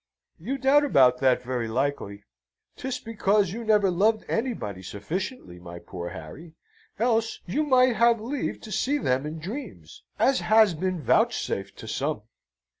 You doubt about that, very likely? 'Tis because you never loved anybody sufficiently, my poor Harry; else you might have leave to see them in dreams, as has been vouchsafed to some."